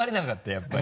やっぱり。